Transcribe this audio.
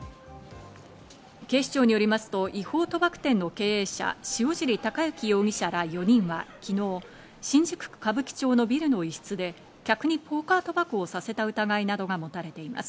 警視庁によりますと、違法賭博店の経営者・塩尻誉征容疑者ら４人は、昨日、新宿区歌舞伎町のビルの一室で客にポーカー賭博をさせた疑いなどが持たれています。